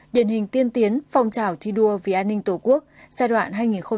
điển hình tiên tiến phong trào thi đua vì an ninh tổ quốc giai đoạn hai nghìn một mươi hai nghìn một mươi năm